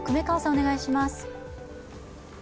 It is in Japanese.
お願いします。